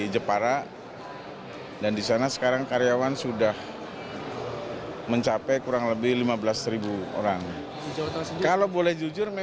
jepara jepara jepara jepara